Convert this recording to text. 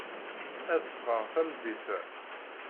Ad ffɣeɣ tameddit-a.